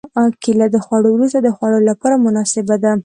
کېله د خوړو وروسته د خوړلو لپاره مناسبه ده.